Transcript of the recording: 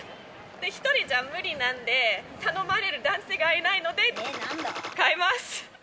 １人じゃ無理なんで、頼まれる男性がいないので、買います。